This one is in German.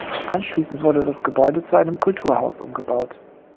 Anschließend wurde das Gebäude zu einem Kulturhaus umgebaut.